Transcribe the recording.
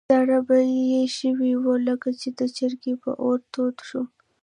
ساړه به یې شوي وو، لکه چې د چرګۍ په اور تود شو.